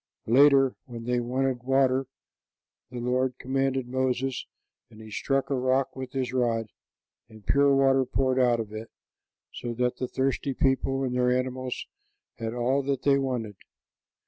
Later, when they wanted water, the Lord commanded Moses, and he struck a rock with his rod, and pure water poured out of it, so that the thirsty people and their animals had all that they wanted.